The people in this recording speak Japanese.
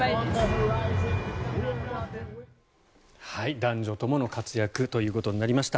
男女ともの活躍ということになりました。